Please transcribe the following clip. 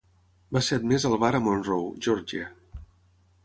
Va ser admès al bar a Monroe, Georgia